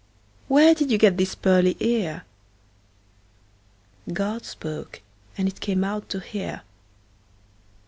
Where did you get this pearly ear? God spoke, and it came out to hear.